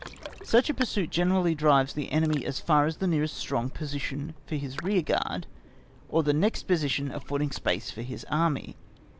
Such a pursuit generally drives the enemy as far as the nearest strong position for his rear guard, or the next position affording space for his Army.